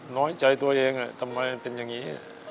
น้อยใจตัวเองทำไมมันเป็นอย่างนี้